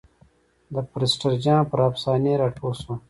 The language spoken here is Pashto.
د پرسټر جان پر افسانې را ټول شول.